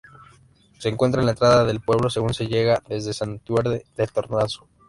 Se encuentra a la entrada del pueblo, según se llega desde Santiurde de Toranzo.